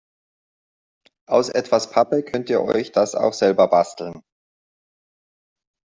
Aus etwas Pappe könnt ihr euch das auch selber basteln.